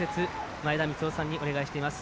前田三夫さんにお願いしています。